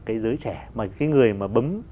cái giới trẻ mà cái người mà bấm